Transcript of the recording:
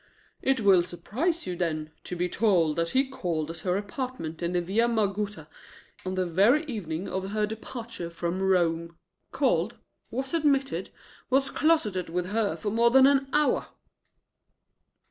"It will surprise you, then, to be told that he called at her apartment in the Via Margutta on the very evening of her departure from Rome. Called, was admitted, was closeted with her for more than an hour."